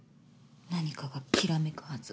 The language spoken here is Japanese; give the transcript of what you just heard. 何かがひらめくはず。